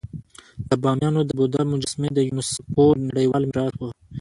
د بامیانو د بودا مجسمې د یونسکو نړیوال میراث وو